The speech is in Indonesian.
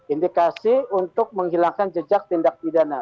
indikasi untuk menghilangkan jejak tindak pidana